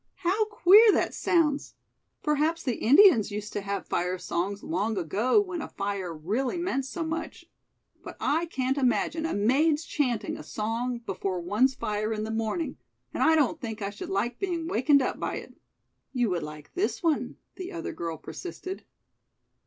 "How queer that sounds! Perhaps the Indians used to have fire songs long ago when a fire really meant so much. But I can't imagine a maid's chanting a song before one's fire in the morning and I don't think I should like being wakened up by it." "You would like this one," the other girl persisted.